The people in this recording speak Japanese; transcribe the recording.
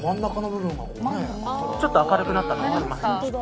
ちょっと明るくなったでしょ。